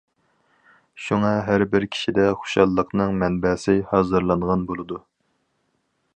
شۇڭا ھەر بىر كىشىدە خۇشاللىقنىڭ مەنبەسى ھازىرلانغان بولىدۇ.